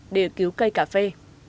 để cứu cây cà phê